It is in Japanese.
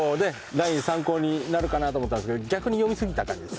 ライン参考になるかなと思ったんですけど逆に読みすぎた感じですかね。